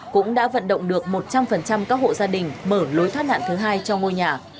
cũng đã vận động được một trăm linh các hộ gia đình mở lối thoát nạn thứ hai cho ngôi nhà